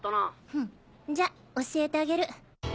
フンじゃ教えてあげる。